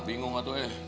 bingung atau eh